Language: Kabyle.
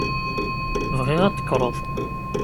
Bɣiɣ ad tekkreḍ.